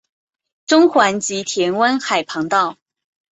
中环及田湾海旁道。